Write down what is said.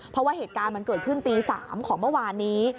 เพราะว่าเหตุการณ์มันเกิดขึ้นตี๓ของเมื่อวานนี้